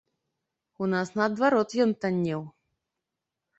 У нас наадварот ён таннеў!